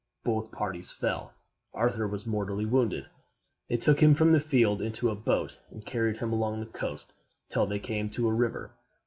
Both parties fell. Arthur was mortally wounded. They took him from the field into a boat, and carried him along the coast till they came to a river.